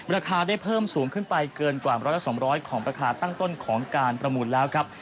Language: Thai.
ราคาได้เพิ่มสูงขึ้นไปเกินกว่า๑๒๐๐ของราคาตั้งต้นของการประมูลแล้วครับ